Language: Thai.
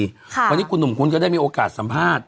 ครับวันนี้อุ่มคุณก็ได้มีโอกาสสัมภาษณ์